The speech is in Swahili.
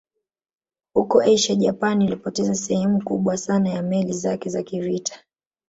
Huko Asia Japan ilipoteza sehemu kubwa sana ya meli zake za kivita